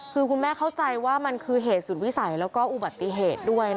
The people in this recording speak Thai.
คุณแม่เข้าใจว่ามันคือเหตุศูนย์วิสัยและอุบัติเหตุด้วย